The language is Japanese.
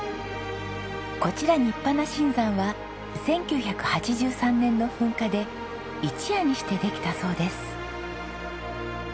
こちら新鼻新山は１９８３年の噴火で一夜にしてできたそうです。